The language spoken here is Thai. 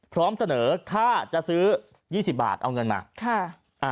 พร้อมเสนอค่าจะซื้อ๒๐บาทเอาเงินมาค่ะอ่า